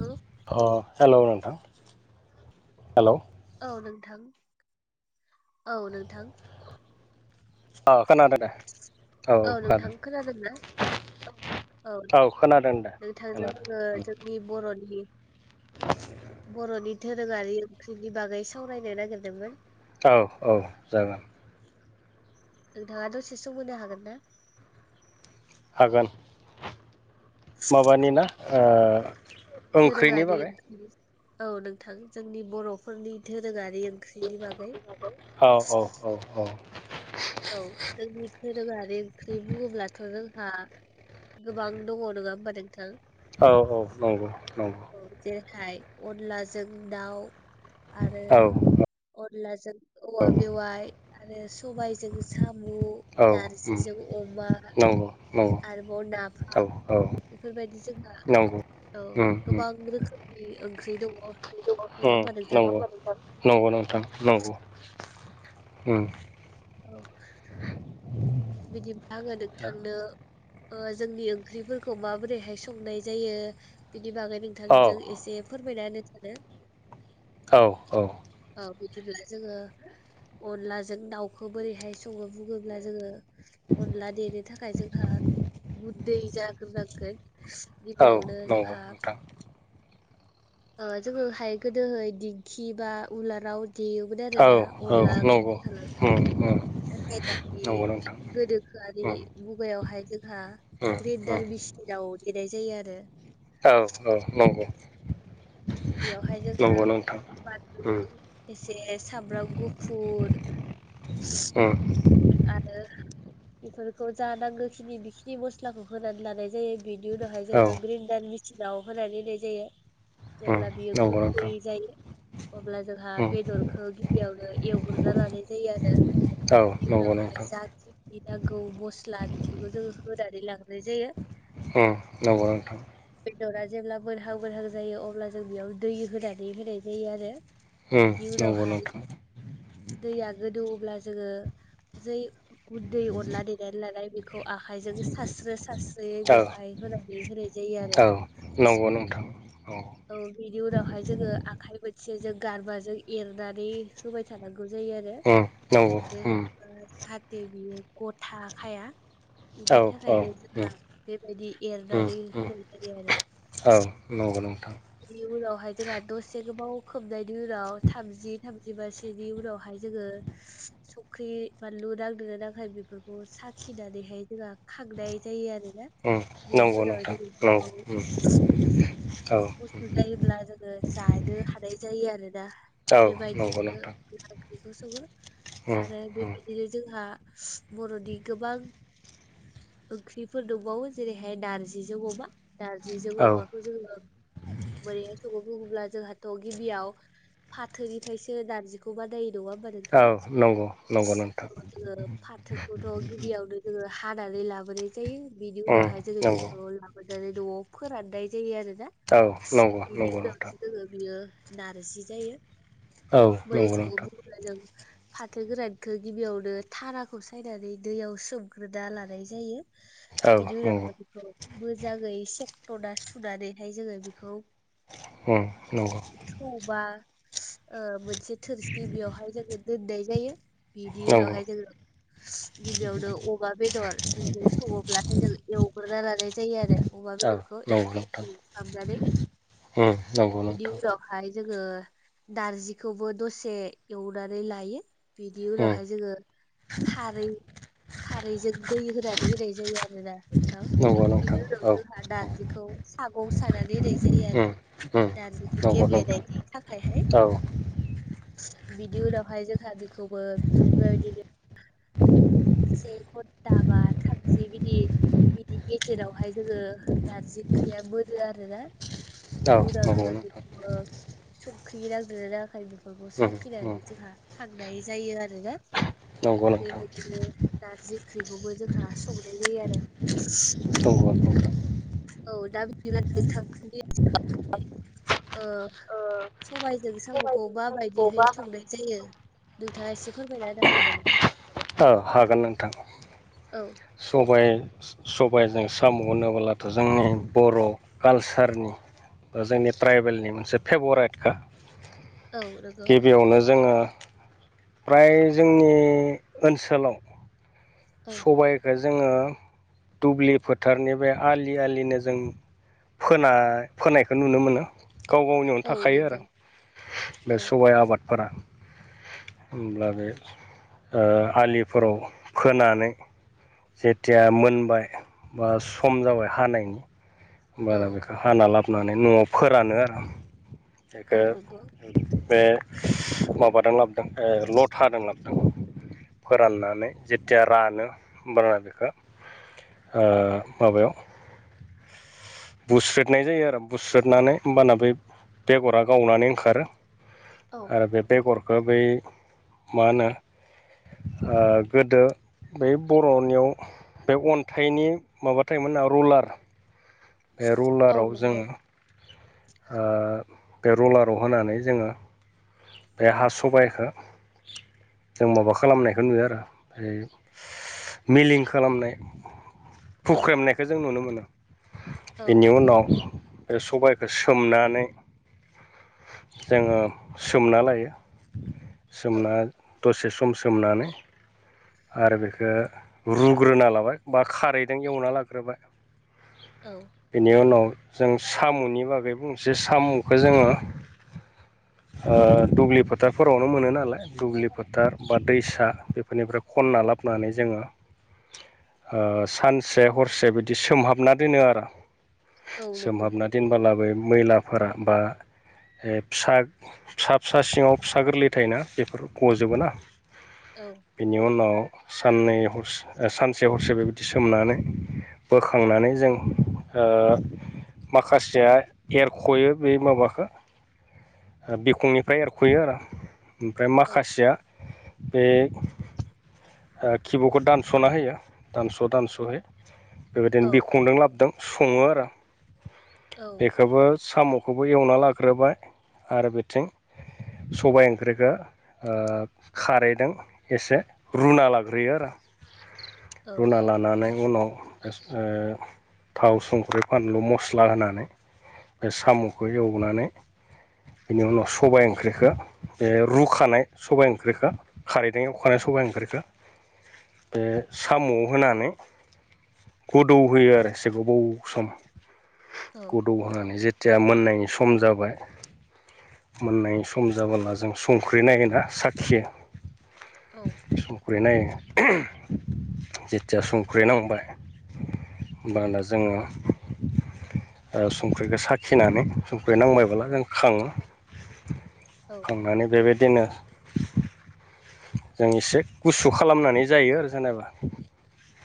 औ अ हेलौ नोंथां हेलौ औ नोंथां औ नोंथां अ खोनादो दे औ नोंथां खोनादों ना औ खोनादों दे नोंथांजों आङो खोनादों जोंनि बर'नि बर'नि धोरोङारि ओंख्रिनि बागै सावरायनो नागिरदोंमोन औ औ जागोन नोंथाङा दसे सम होनो हागोन ना हागोन माबानि ना ओ ओंख्रिनि दोरोङारि बागै ओं [unintelligible] औ नोंथां जोंनि बर'फोरनि धोरोङारि ओं औ औ औ औ औ जोंनि धोरोङारि ओंख्रि बुङोब्लाथ' जोंहा गोबां दङ नङा होमबा नोंथां औ औ नंगौ नंगौ [unintelligible] जेरैहाय अनलाजों दाउ आरो औ अनलाजों औवा बेवाइ आरो सबायजों सामु औ उम नारजिजों अमा नंगौ नंगौ आरोबाव औ नाफाम औ बेफोरबायदि जोंहा नंगौ औ उम गोबां रोखोमनि ओंख्रि दङ नङा उ होमबा नोंथां नंगौ नंगौ नोंथां नंगौ उ औ बिदिबा आङो नोंथांनो ओ जोंनि ओंख्रिफोरखौ माबोरैहाय संनाय जायो बिनि बागै औ थांजों एसे फोरमायना होनो सानो औ औ‌। औ बिदिब्ला जोङो अनलाजों दाउखौ बोरैहाय सङो बुङोब्ला जोङो‌। अनला देनो थाखाय जोंहा गुदै जाग्रोनांगोन। औ गिबियावनो नंगौ जोंहा नोंथां ओ जोङो हाय गोदोहाय दिंखि बा उलाराव दे [unintelligible] आरो औ ना औ अरला नंगौ गुन्दै खालामनो उम उम थाखाय नाथाय दादि नंगौ नोंथां गोनोखोआरि उम मुगायावहाय जोंहा उम उम ग्रेटार बिसिलाव देरनाय जायो आरो। औ औ नंगौ‌। बेयावहाय जोंहा बानलु उम एसे साब्राब गुफुर [unintelligible] उम। आरो बेफोरखौ जा नांगौखिनि बेखिनि मस्लाखौ होनानै लानाय जायो‌। बिनि उनावहाय औ जोङो ग्रेन्डार मिसिनाव होनानै होनाय जायो। उम जेब्ला बियो नंगौ गुद दै नोंथां जायो। अब्ला जोंहा उम बेदरखौ गिबियावनो एवग्रोनना लानाय जायो आरो। औ बे नंगौ उनावहाय नोंथां जा खिनि नांगौ मस्ला बेफोरखौ जोङो होनानै लांगनाय जायो। उम नंगौ नोंथां। बेदरा जेब्ला मोनहां मोनहां जायो अब्ला जों बेयाव दै होनानै होनाय जायो आरो। उम बिदि नंगौ उनावहाय नोंथां दैया गोदौओब्ला जोङो जै गुन्दै अनला देनानै लानाय बे खौ आखायजों सारास्रो सारस्रोयै बेवहाय होनानै होनाय जायो आरो। नांगौ नोंथां। औ बिनि उनावहाय जोङो आखाय मोनसेजों गारबाजों एरनानै होबाय थानांगौ जायो आरो। उम नंगौ आरो उम होयोबा जाहाथे बियो गथाखाया। बिनि औ औ थाखायनो जोंहा उम बेबायदि उम एरनानै उम होनाय जायो आरो। औ नंगौ नोंथां। बेनि उनावहाय जोंहा दसे गोबाव खोबनायनि उनाव थामजि थामजिबासोनि उनावहाय जोङो [inaudible] संख्रि बानलु नांदोंना नांआखै बेफोरखौ साखिनानैहाय जोंहा खांनाय जायो आरो ना। उम नंगौ नोंथां नंगौ उम। औ गुसु जायोब्ला जोङो जानो हानाय जायो आरोना। औ नंगौ बेबायदिनो नोंथां गोखा ओंख्रिखौ सङो उम आरो बे उम बिदिनो जोंहा बर'नि गोबां ओंख्रिफोर दंबावो जेरैहाय नारजिजों अमा औ नारजिजों अमाखौ जोङो बोरैहाय सङो बुङोबब्ला जोंहाथ' गिबियाव फाथोनिफ्रायसो नारजिखौबा बानायो नङा होनाबा नों औ नंगौ नंगौ नोंथां थां जोङो फाथोखौथ' गिबियाव जोङो हादानानै लाबोनाय जायो बिनि उम उनावहाय जोङो नंगौ बेखौ ला लाबोनानै न'आव फोराननाय जायो आरो ना औ नंगौ बेनि नंगौ नोंथां उनावसो जोङो बियो नारजि जायो। औ मोरै नंगौ सं नोंथां [unintelligible] फाथो गोरानखौ गिबियावनो थाराखौ सायनानै दैयाव सोमग्रोना लानाय जायो। औ बिनि नंगौ उनावहाय बेखौ मोजाङै सेकट'ना सुनानैहाय जोङो बेखौ उम उम। अबावबा मोनसे थोरसि बेयावहाय जोङो दोन्नाय जायो। बिनि नंगौ उनावहाय जोङो गिबियावनो अमा बेदर बेजों सङोब्लाथाय जों एवग्रा लानाय जायो आरो अमा औ बेदर खौ नंगौ एसे नोंथां एवफ्रामनानै उम नंगौ नोंथां। ओमफ्राय जोङो नार्जिखौबो दसे एवनानै लायो। बिनि उम उनावहाय जोङो खारै खारैजों दै होनानै होननाय जायो आरोना नोंथां नंगौ नोंथां बिनि उनाव औ जोंहा दा बिखौ सागं सानानै ओरै जायो आरो उम उम नारजिखौ नंगौ नोंथां गेब्लेनायनि थाखायहाय। औ बिनि उनावहाय जोंहा बिखौबो बिबायदिनो से घनता बा थामजि बिदि बिनि गेजेरावहाय जोङो नारजि ओंख्रिया मोनो आरो ना। बिनि औ उनाव नंगौ जोङो नोंथां बिखौबो संख्रि नांदों ना नाङाखै बेखौ उम उम साखिनानै जोंहा खांनाय जायो आरोना नंगौ नोंथां बेबायदिनो नारजि ओंख्रिखौबो जोंहा संनाय जायो आरो। [unintelligible] औ दा बिदिब्ला नोथांनि [unintelligible] ओ सबायजों साम'खौ बा बायदिहै संनाय जायो नोंथाङा एसे फोरमायना होनो हागोन नामा? ओ हागोन नोंथां। औ। सबाय सबायजों साम' होनोबोलाथ' जोंनि बर' कालसारनि ओ जोंनि ट्राइबेलनि मोनसे फेभरेटखा औ नो गिबियावनो जोङो फ्राय जोंनि ओनसोलाव औ सबायखो जोङो दुब्लि फोथारनि बे आलि आलिनो जों फोनाय फोनायखौ नुनो मोनो। गाव गावनियावनो औ थाखायो आरो नंगौ बे औ सबाय आबादफोरा। होमब्ला बे ओ आलिफोराव खोनानै जेथिया मोनबाय बा सम जाबाय हानायनि औ होमबाना बेखौ हाना लाबोनानै न'आव फोरानो आरो औ बेखौ नंगौ बे माबादों लाबोदों ओ लथा दों लाबोदों। फोराननानै। जेथिया रानो होमब्लाना बेखौ ओ माबायाव बुस्रोदनाय जायो आरो बुस्रोदनानै होमबाना बै बेगरा गावनानै ओंखारो। औ। आरो बे बेगरखो बै मा होनो ओ गोदो बै बर'नियाव बे अन्थाइनि माबा थायोमोनना रलार बे औ रलाराव नंगौ जोङो ओ बे रलाराव होनानै जोङो बे हा सबाइखो जों माबा खालामनायखौ नुयो आरो ओमफाय मिलिं खालामनाय। औ फुख्रेमनायखौ जों नुनो मोनो औ बेनि नंगौ उनाव आरो सबायखौ सोमनानै जोङो सोमना लायो औ सोमना दसे सम सोमनानै। आरो बेखो रुग्रोना लाबाय बा खारैदों एवना लाग्रोबाय। औ बेनि उनाव जों साम'नि बागै बुंसै साम'खौ जोङो ओ दुब्लि फोथारफोरावनो मोनो नालाय दुब्लि फोथार बा दैसा बेफोरनिफ्राय खनना लाबोनानै जोङो ओ सानसे हरसे बिदि सोमहाबना दोनो आरो। औ नंगौ सोमहाबना दोनबोलाबो मैलाफोरा बा हे फिसा फिसा फिसा सिङाव फिसा गोरलै थायोना बेफोर गजोबोना। औ। बेनि उनाव साननै हर्स सानसे हरसे बेबायदि सोमनानै बोखांनानै जों ओ माखासेया एरख'यो बे माबाखो बिखंनिफ्राय एरख'यो आरो ओमफ्राय औ माखासेया बे ओ खिब'खौ दानस'ना होयो दानस' दानस'है औ बेबायदिनो बिखंदों लाबदों सङो आरो औ बेखौबो साम' बेखौबो एवना लाग्रोबाय आरो बेथिं सबाय ओंख्रिखौ खारैदों एसे रुना लाग्रोयो आरो औ रुना लाना नै उनाव थाव संख्रि फानलु मस्ला होनानै। बे साम'खौ एवनानै बिनि उनाव सबाइ ओंख्रिखौ बे रुखानाय सबाइ ओंख्रिखौ बे एवखानाय सबाय ओंख्रिखो बे साम'आव होनानै गोदौ होयो आरो गोबाव सम औ गोदौ होनानै जे जाया मोननायनि सम जाबाय मोननाय सम जाबोला जों संख्रि नायोना साखियो औ। संख्रै नायो जेथिया संख्रि नांबाय होमबाना जोङो संख्रिखौ साखिनानै संख्रि नांबायबोब्ला जों खाङो औ थांनानै बेबायदिनो जों एसे गुसु खालामनानै जायो आरो जेनेबा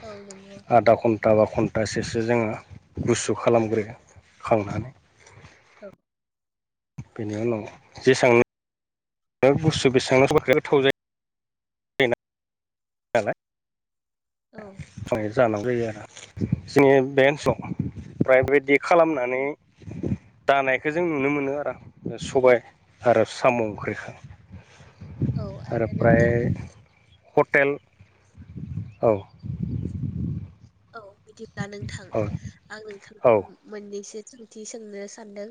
औ नंगौ आदा खम घन्टाबा घन्टासेसो जोङो गुसु खालामग्रो खांनानै औ बेनि उनाव जेसांनो गुसु बेसेबां [unintelligible] गोथाव जायो [inaudible] औ जानांगौ जायो आरो जोंनि बे ओनसोलाव फ्राय बिदि खालामनानै दानायखौ जों नुनो मोनो आरो सबाय आरो साम' ओंख्रिखौ औ आरो प्राय नोंथां हटेल औ औ बिदिब्ला नोंथां औ आं औ नोंथांनाव मोननैसो सोंथि सोंनो सानदों।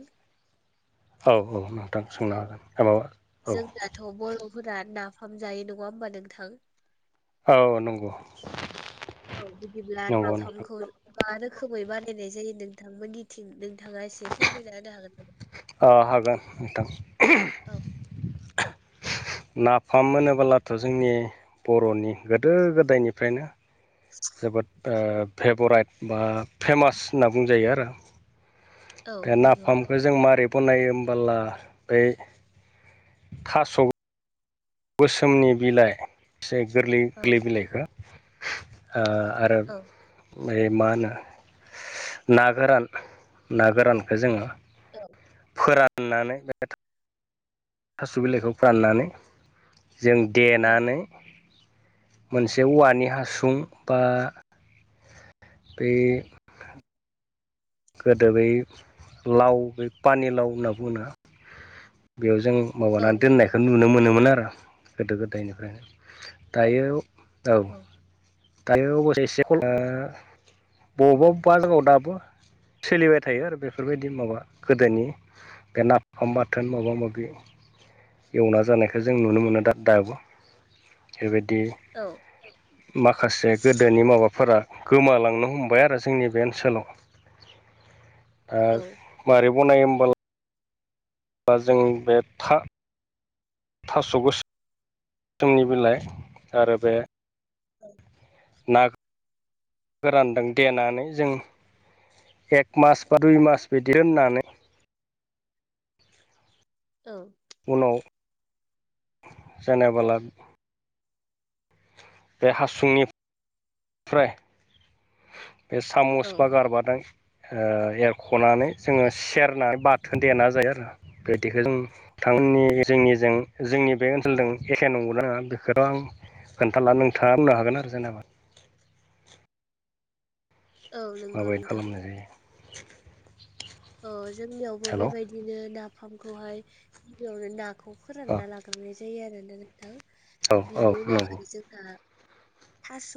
औ औ। सोंनो औ हागोन माबा औ जोंनाथ' बर'फोरा नाफाम जायो नङा होमबा नोंथां? औ नंगौ। औ बिदिब्ला नंगौ नोंथां नाफामखौ मा रोखोमै बानायनाय जायो नोंथांमोननिथिं नों थाङा एसे फोरमायना होनो हागोन नामा ओ हागोन नोंथां औ नाफाम मोनोबोलाथ' जोंनि बर'नि गोदो गोदायनिफ्रायनो [unintelligible] जोबोद फेभराइट बा फेमास होनना बुंजायो आरो औ बे नंगौ नाफाम बे जों मारै बनायो होमबोला बै थास' गोसोमनि बिलाइ एसे गोरलै गोरलै औ बिलाइखौ ओ औ ओ ए मा होनो ना गोरान ना गोरानखो जोङो औ। फोराननानै बे थास' बिलाइखौ फाननानै जों औ देनानै मोनसे औवानि हासुं बा बै गोदो बै लाव बेपानि लाव होनना बुङोना बेयाव जों। औ माबानानै नंगौ दोननायखौ नुनो मोनोमोन आरो गोदो गोदायनिफ्रायनो दायो औ दायो अबस्से एसे खल बबावबा बबेबा जगाव दाबो सोलिबाय थायो आरो बेफोरबायदि माबा गोदोनि। बे नाफाम बाथोन माबा माबि एवना जानायखौ जों नुनो मोनो दा दाबो बेबायदि। औ माखासे गोदोनि माबाफोरा। गोमालांनो हमबाय आरो जोंनि बे ओनसोलाव। औ मारै बनायो होमबालाय बा जों बे था। थासगो। समोमनि बिलाइ आरो बे औ। न गोरानदों देनानै जों एक मास बा दुइ मास बिदि दोननानै। औ उनाव जानाबोला बे हासुंनिफ्राय बे औ सामस बा गारबादों एरख'नानै जोङो सेरनानै बाथोन देना जायो आरो बिदिख जों थामनि जोंनिजों जोंनि बे ओनसोलजों एखे नंगौना नाङा बेखौ' आं खोन्थाला नोंथाङा बुंनो हागोन आरो जेनबा औ नंगौ माबायदि नोंथां खालामनाय जायो अ जोंनियावबो हेल' बेबायदिनो नाफामखौहाय गिबियावनो नाखौ अ फोरानना लाग्रनाय जायो आरोोना नोंथां औ औ बिनि उनाव नंगौ हाय थास'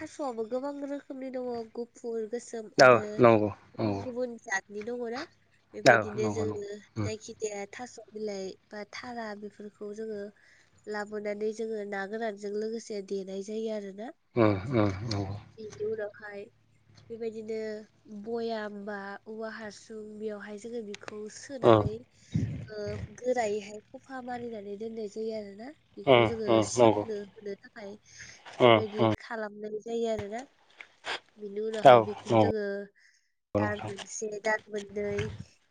थास'आबो गोबां रोखोमनि दङ फुर गोसोम औ आरो नंगौ गुबुन नंगौ गुबुन जातनि दङना बेबायदिनो नंगौ नंगौ जोङो उम जायखि बे थास' बिलाइ बा थारा बेफोरखौ जोङो। लाबोनानै जोङो ना गोरानजों लोगोसे देनाय जायो आरोोना औ इन्जौ राखाय बेबायदिनो बया बा औवा हासुं बेयावहाय जोङो बेखौ उम सोनानै ओ गोरायैहाय खफा मारिनानै दोननाय जायो आरोना बेखौ उम जोङो उम नंगौ सेवनो होनो थाखाय उम उम बेबायदि। औ खालामनाय जायो आरोोना बिनि नंगौ उनावहाय बेखौ नंगौ जोङो दार नोंथां मोनसे दा मोननै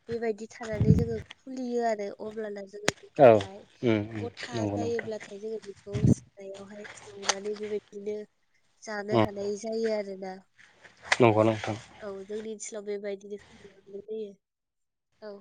बेबायदि थानानै जोङो खुलियो आरो अब्लाना जोङो औ बेखौहाय उम उम गथा नंगौ नोंथां जायोब्लाथाय जोङो बेखौ सिनायावहाय एवनानै बेबायदिनो जानो उम हानाय जायो आरोना नंगौ नोंथां औ जोंनि ओनसोलाव बेबायदि खालामो जायो औ